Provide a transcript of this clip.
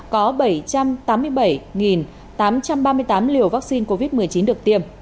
có bảy trăm tám mươi bảy tám trăm ba mươi tám liều vaccine covid một mươi chín được tiêm